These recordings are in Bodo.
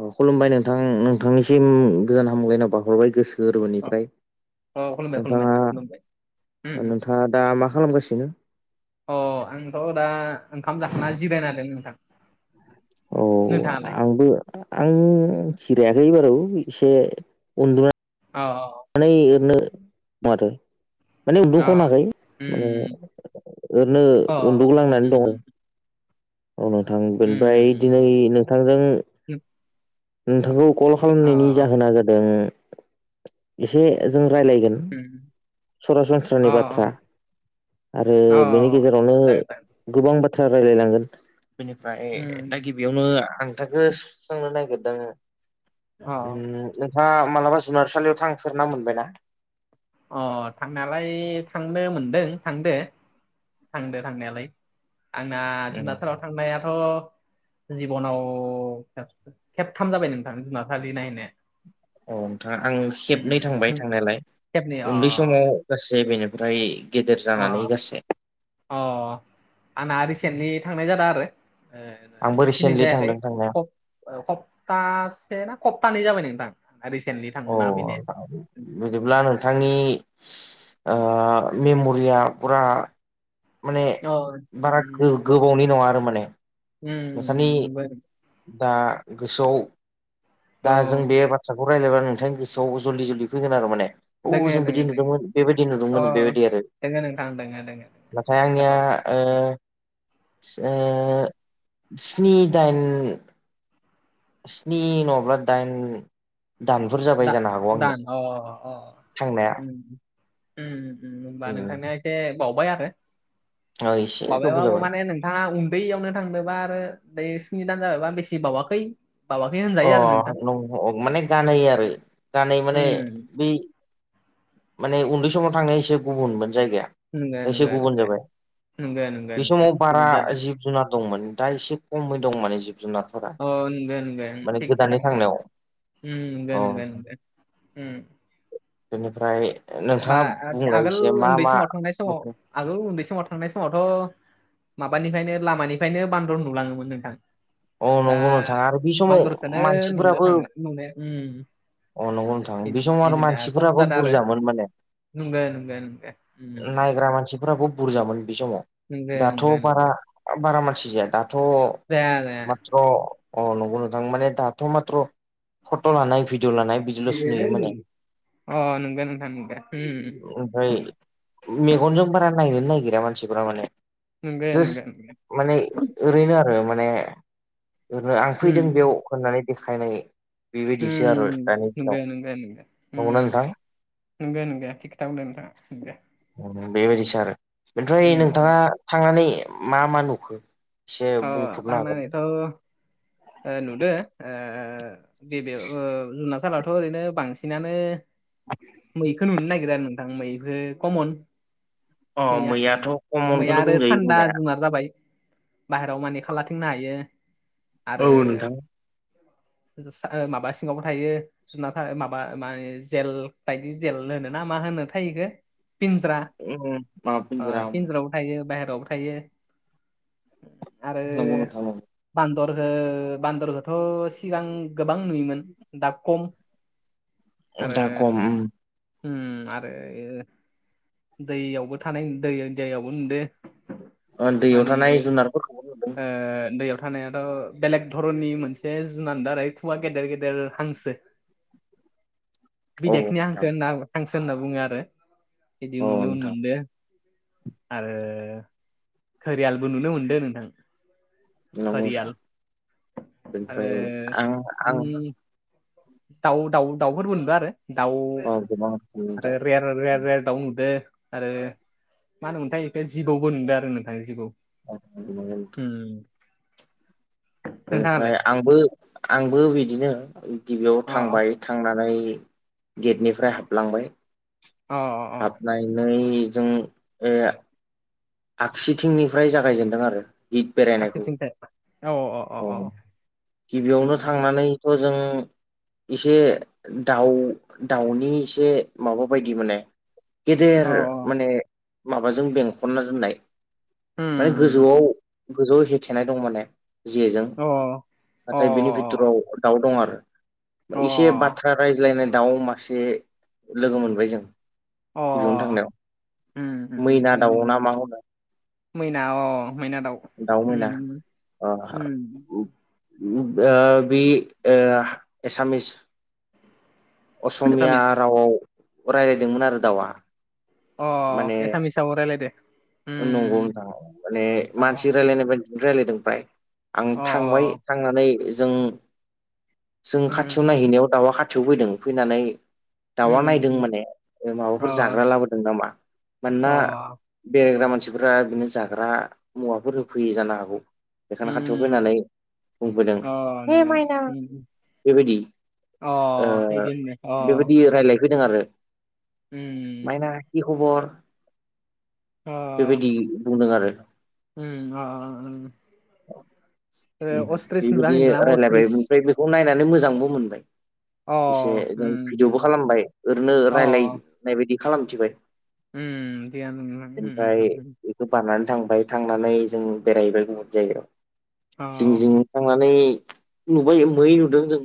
अ खुलुमबाय नोंथां नोंथांनिसिम गोजोन हामगलायनायाव बारहरबाय गोसो अ गोरबोनिफ्राय अ खुलुमबाय खुलुमबाय नोंथाङा नोंथां खुलुमबाय उम उम। नोंथाङा दा मा खालामगासिनो अ आंथ' दा ओंखाम जाखांना जिरायना दं नोंथां। औ नोंथाङालाय आंबो आं खिरायाखै बारौ एसे उन्दुनानै औ औ मानानै ओरैनो माथो माने अ उन्दुख'नाखै माने उम ओरैनो अ उम उनदुगलांनानै दं। उम औ नोंथां उम बेनिफ्राय उम दिनै नोंथांजों उम नोंथांखौ कल अ खालामनायनि जाहोना जादों एसे जों रायज्लायगोन उम अ सरासनस्रानि बाथ्रा। आरो अ बेनि गेजेरावनो जागोन जागोन गोबां बाथ्रा रायलायलांगोन बेनिफ्राय दा उम गिबि बेयावनो आंथाखौ सुस्रांनो नागिरदों अ ओं नोंहा मालाबा जुनारसालियाव थांफेरना मोनबायना। अ थांनायालाय थांनो मोनदों थांदो। थांदो थांनायालाय आंना उम जुनथाराव थांनायाथ' जिबनाव खेबथाम जाबाय नोंथां जुनार सालि नायनाया औ नोंथाङा आं खेबनै थांबाय उम थांनायालाय खेबनै अ उन्दै समाव गासै बेनिफ्राय गेदेर जानानै अ गासे अ आंना रिसेन्टलि थांनाय जादों आरो ए आंबो बिसि रिसेन्टलि निदायाखै थांदों थांनाया सप्तासे ना सप्तानै जाबाय नोंथां। रिसेन्टलि औ थांना फैनाया आ। बिदिब्ला नोंथांनि मेमरिया फुरा माने अ बारा उम गो उम, गोबावनि नङा आरो माने नोंसोरनि उम, नंगौ अ ओ गोसोआव दा जों बे दोङो बाथ्राखौ रायज्लायबा नोंथांनि गोसोआव जल्दि जल्दि फैगोन आरो माने औ जों दोङो बिदि दोङो नुदोंमोन बेबायदि अ नुदोंमोन बेबायदि आरो दोङो नोंथां दोङो दोङो नाथाय आंनिया दोङो स्नि दाइन स्नि नङाब्ला दाइन दानफोर जाबाय [unintelligible] जानो हागौ आंनिया थांनाया होनोमबा नोंथांनिा एसे बावबाय आरो। ओ एसे गोबाव जाबाय [unintelligible] नोंथाङा उन्दैयावनो थांदोंबा आरो बे स्नि दान जाबायबा बेसे बावाखै बावाखै अ होनजायो आरो नोंथां नं माने गानै आरो गानै माने उम बै माने उन्दै समाव थांनाया एसे गुबुनमोन जायगाया नंगो एसे नंगो गुबुन जाबाय नंगो नंगो बे नंगो समाव बारा गुबुन जादो जिब जिब जुनार दंमोन दा एसे खमै दं माने जिब जुनार थांनायाव औ [unintelligible] बेनिफ्राय बा नोंथाङा बुंलाय आगोल एसे मा उन्दै मा समाव थांनाय समाव आगोल उन्दै समाव थांनाय समावथ' माबानिफ्रायनो लामानिफ्रायनो बान्दर नुलाङोमोन नोंथां। औ दा नंगौ नोंथां आरो बे समाव बान्दरखौनो नुनो मानसिफोराबो थांला नुनाया अ नंगौ नोंथां बे समाव आरो बिदिनो मानसिफोराबो बुरजामोन माने नोंगौ नोंगौ नोंगो- जा मानसिफोराबो बुरजामोन बे समाव नंगौ दाथ' नंगौ बारा नंगौ बारा मानसि जाया दाथ' [unintelligible] माथ्र' अ नंगौ नोंथां माने दाथ' माथ्र' फट' लानाय भिडिअ लानाय बिदिल'सो नुयो माने अ नंगौ नोंथां नंगौ उम ओमफ्राय मेगनजों बारा नायनोनो नागिरा मानसिफोरा माने नंगौ नंगौ जास्ट नंगौ। माने ओरैनो आरो माने ओरनो आं फैदों बेयाव होननानै देखायनाय बेबायदिसो आरो होम दानि दिनाव नंगौ नंगौ नंगौना नोंथां नंगो नंगो थि खोथा बुंदों नोंथाङा बेबायदिसो आरो ओमफ्राय उम नोंथाङा थांनानै मा मा नुखो? एसे अ बुंफुरनो हागोन। आंनानैथ' ओ नुदो ओ बेब ओ जुनारसारलाथ' ओरैनो बांसिन बांसिनानो मैखौ नुनो नागिरदों आरो नोंथां मैखो कमन अ मैया मैयाथ' मैया खमनखौनो आरो बुंजायो थान्दा बुंनाया जुनार जाबाय बाहेरायाव मानि खाारलाथिंनो हायो आरो। औ नोंथां माबा सिङावबो थायो जुनार माबा माने जेल बायदि जेल होनो ना मा होनो थाह इखो पिन्ज्रा ओम माबा ओ पिन्ज्रा पिन्ज्रायावबो थायो बाइहेरायावबो थायो आरो नंगौ नोंथां नंगौ बान्दर हो बान्दरखौथ' सिगां गोबां नुयोमोन दा खम आरो दा खम आरो दैयावबो थानाय दै दैायावबो नुदों दैयाव थानाय जुनारफोरखौ दैयाव थानायाथ' बेलेग धरननि मोनसे जुनाद दा आरो खुवा गेदेर गेदेर हांसो दे [unintelligible] औ बिदेकनि हांखो नोंथां होनना हांसो होनना बुङो आरो। बिदि औ नुनो नोंथां मोनदों आरो खरियालबो नुनो मोनदों दे नोंथां नंगौ घरियाल नोंथां आरो बेनिफ्राय आं आं उम दाउ दाउ दाउफोरबो मोनबो आरो दाउ औ गोबां रोखोमनि आरो रेर रेर दाउ नुदो आरो मा होनोमोनथाय बेखौ जिगौबो नुदो आरो नोंथां जिबौ औ उम बेनिफ्राय नोंथाङालाय आंबो आंबो बिदिनो गिबियाव अ थांबाय थांनानै गेटनिफ्राय हाबलांबाय अ अ अ नायनायजों ए आगसिथिंनिफ्राय जागायजेनदों आरो गित बेरायनायखौ आगसिथिंजाय औ अ अ अ उम गिबियावनो उम थांनानै थ' जों एसे दाउ दाउनि एसे माबा बायदि माने गेदेर औ माने माबाजों बेंखनना दोननाय उम माने उम गोजौआव उम गोजौआव हेथेनाय दं माने जेजों अ अ नाथाय बिनि बिथिराव दाउ दं आरो अ एसे बाद बाथ्रा रायज्लायनाय दाउ मासे लोगो मोनबाय जों गिबियावनो अ थांनायाव उम उम उम मैना थिगानो दाउ ना दं मा होनो मैना अ मैना दाउ ओ बे ओ एसामिस असमिया एसामिस रावआव राय्लायदोंमोन आरो दाउआ। अ माने एसामिसाव रायलायदो नंगौ नोंथां। माने मानसि रायलायनाय बायदि राय्लायदों फ्राय आं थांबाय थांनानै जों जों खाथियाव नायहैनायाव दाउआ खाथियाव फैदों फैनानै दाउआ नायदों माने माबाफोर जाग्रा लाबोदों नामा। मानोना बेरायग्रा मानसिफोरा बिदिनो जाग्रा मुवाफोर होफैयो जानो हागौ। बेखायनो हाथियाव फैनानै बुंबोदों हे माइना बेबायदि बेबायदि राय्लायफैदों आरो। माइना कि खबर बेबायदि बुंदों आरो। [unintelligible] अस्थ्रिस [unintelligible] असथ्रिस खौ नायनानै मोजांबो मोनबाय। एसे जों भिदिअबो खालामबाय ओरैनो रायलायनाय बायदि खालामथिबाय‌। उम दियानो ओमफ्राय बेखौ बारनानै थांबाय थांनानै जों बेराय हैबाय गुबुन जायगायाव‌ जिं जिं थांनानै नुबाय मै नुदों जों।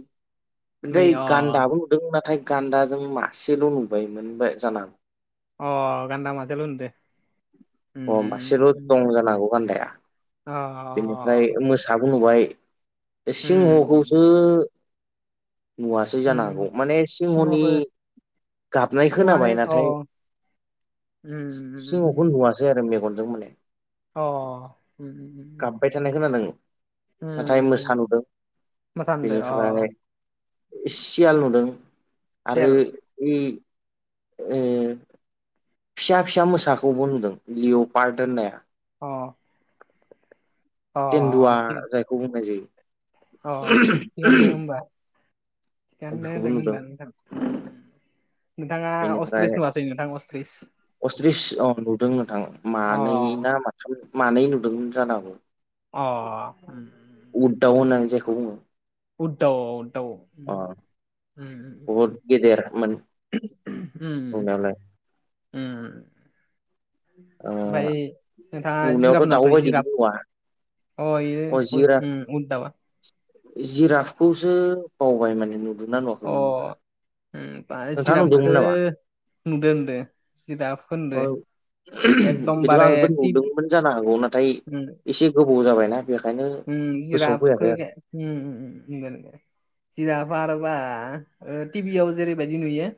ओमफ्राय गान्दाबो नुदोंमोन नाथाय गान्दाजों मासेल' नुबायमोन जाना अ गान्दा मासेल नुदों। अ मासेल' दं जानांगौ गान्दाया, बेनिफ्राय मोसाबो नुबाय। सिंहखौसो नुवासै जानो हागौ माने सिंहनि गाबनाय खोनाबाय नाथाय, सिङावखौ नुवासै आरो मेगनजों माने। अ, उम गाबबाय थानाय उम खोनादों [inaudible] नाथाय उम‌ मोसा नुदों उम। [unintelligible] अ बेनिफ्राय सियाल नुदों, आरो बे ओ फिसा फिसा मोसाखौबो नुदों। लिअ पार्ट होननाया। अ तेन्न्दुवार जायखौ बुंनाय जायो। थिगानो दं [unintelligible] होमबा [unintelligible] बेखौबो नुदों नोंथाङा बेनिफ्राय अस्थ्रिस नुवासै नोंथां अस्थ्रिस? आ मानै ना माथाम मानै नुदोंमोन जानांगौ। अ ओम उद दाव होननानै जायखौ बुङो। उदाव अ उदाव अ ओमफ्राय बहुद गेदेरमोन [inaudible] बुंनायालाय। उम, ओ ओमफ्राय नोंथाङा जिराब नुनायावथ' दाउ नुवासै बायदिखौ जिराब नुवा अ अ जिराफ [unintelligible] उद दावा। जिराफखौसो बावबाय माने नुदोंना नुवाखैमोन बा। अ उम बा जिरपखो नुदो नुदों, जिराफ औ खोनुदो एकदमबारे मोन जानो हागौ नाथाय उम एसे गोबाव जाबायना बेखायनो गोसोआव जिराफखो फैयाखै आरो। उम उम उम उम जिराफा आरो बा टिभियाव जेरैबायदि नुयो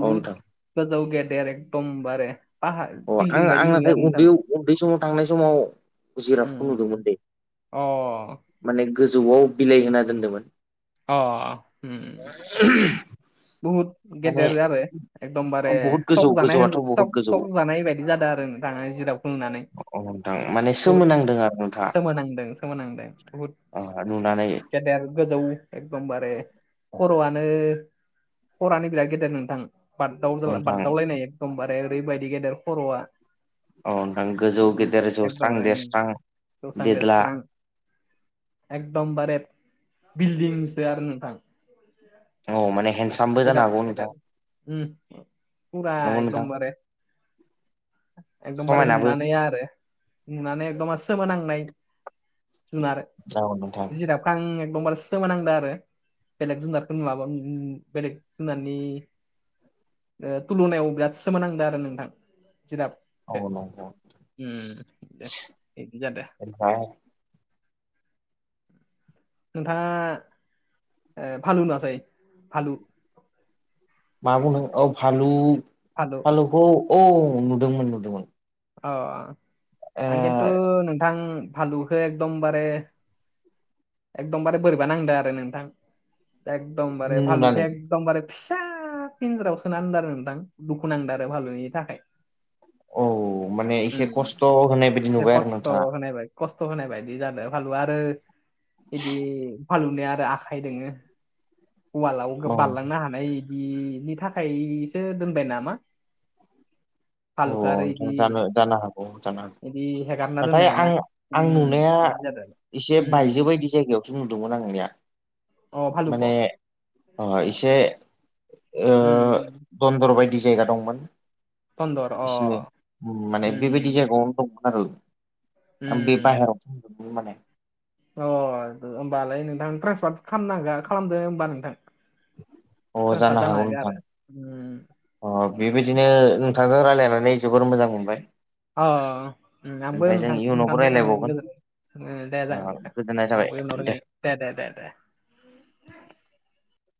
औ नोंथां गोजौ गेदेर एदम बारे अ आं आं नाथाय उन्दै उन्दै समाव थांनाय समाव उम जिराफखौ उम, उम. नुदोंमोन दै। अ। माने गोजौआव बिलाइ होना दोनदोंमोन। अ उम उम उम बहुत माने गेदेर आरो एकदमबारे बहुद गोजौ सक जानाय गोजौआथ' बहुद सक गोजौ जानाय बायदि जादों आरो न थाङा जिराव बुंनानै अ नोंथां माने बहुद सोमोनांदों आरो नोंथाङा सोमोनांदों सोमोनांदों बहुद अ नुनानै गेदेर गोजौ एकदमबारे खर'आनो खर'आनो बिराद गेदेर नोंथां बारदाव नोंथां बारदावलायनाय एखदमबारे ओरैबायदि गेदेर खर'आ औ नोंथां गोजौ गेदेर जौस्रां एकदमबारे देरस्रां गेवस्रां देदला गेवस्रां एकदमबारे बिल्डिंसो आरो नोंथां। औ माने हेन बिराद फुरा नंगौ नोंथां एदमबार एकदमबारे समायनाबो नुनानै आरो नुनानै एखदबार सोमोनांनाय जुनार औ नोंथां जिराब खो आं एखदमबारे सोमोनांदा आरो बेलेग जुनारफोरनि माबा बेलग जुनारनि ओ थुलुनायाव बिराद सोमोनांदों आरो नोंथां जिराब दे औ नंगौ उम बिदि जादो। [inaudible] नोंथाङा ओ भालु नुङासै भालु? मा बुंनो औ भालु भालु भालुखौ औ नुदोंमोन नुदोंमोन। अ ओ आं खिन्थु नोंथां भालुखो एकदमबारे एकदमबारे बोरैबा नांदो आरो नोंथां। एकदमबारे नुनानै भालुखौ एकदमबारे फिसा फिन्जाराव सोना दोनदों नोंथां दुखु नांदो आरो भालुनि थाखाय। औ माने उम एसे खस्थ' होनाय बायदि बे नुबाय आरो खस्थ' नोंथाङा होनायबाय खस्थ' होनाय बायदि जादो। भालु आरो इदि भालुनिया आरो आखाय दोङो उवालाव औ बारलांनो हानाय बिनि थाखायसो दोनबाय नामा। अ भालुखौ आरो नोंथां इदि जानो जानो हागौ जानो बिदि हेगारना हागौ। नाथाय दोननाया ना आं उम आं नुनाया बिदि जादों एसे उम बायजो उम। बायदि जायगायाव सो नुदोंमोन आंनिया। अ भालुख' माने ओ एसे ओ उम दन्दर बायदि जायगा दंमोन। दन्दर अ एसे माने उम बेबायदि उम जायगायावनो दंमोन आरो। ओम बे उम। बाहेराव [unintelligible] माने अ होमबालाय नोंथां ट्रेसफार खालाम नांगोन खालामदो होमबा नोंथां। [inaudible] अ जानो हागौ नोंथां आरो उम अ बेबायदिनो नोंथांजों रायलायनानै जोबोर मोजां मोनबाय। अ उम ओमफ्राय जों नोंथां इयुनावबो नोंथांजो रायलायनानै रायलायबावगोन गोजोनबाय। उम दे ओ जागोन गोजोननाय थाबाय आंबो‌ उनाव रायलायगोन दे दे दे दे।